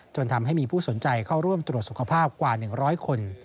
จนทำให้มีผู้สนใจเข้าร่วมตรวจสุขภาพกว่า๑๐๐คน